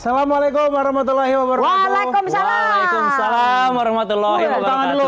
salamualaikum warahmatullahi wabarakatuh waalaikumsalam salam warahmatullahi wabarakatuh